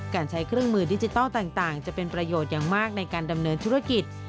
การใช้เครื่องมือดิจิทัลต่างจะเป็นประโยชน์อย่างมากในการดำเนินธุรกิจ